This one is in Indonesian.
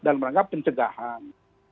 dalam rangka pencegahan